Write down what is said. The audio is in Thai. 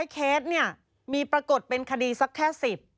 ๑๐๐เคสมีปรากฏเป็นคดีสักแค่๑๐๒๐